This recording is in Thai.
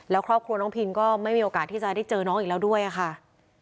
แล้วครอบครัวน้องพินก็ไม่มีโอกาสที่จะได้เจอน้องอีกแล้วด้วยค่ะ